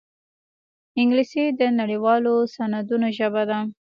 انګلیسي د نړيوالو سندونو ژبه ده